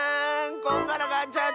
こんがらがっちゃった。